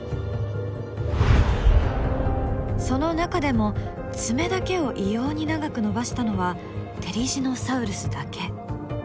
その中でも爪だけを異様に長く伸ばしたのはテリジノサウルスだけ。